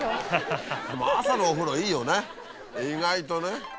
朝のお風呂いいよね意外とね。